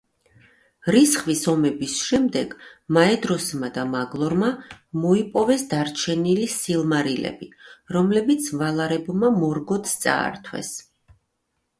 რისხვის ომის შემდეგ მაედროსმა და მაგლორმა მოიპარეს დარჩენილი სილმარილები, რომლებიც ვალარებმა მორგოთს წაართვეს.